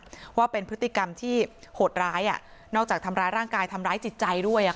เพราะว่าเป็นพฤติกรรมที่โหดร้ายนอกจากทำร้ายร่างกายทำร้ายจิตใจด้วย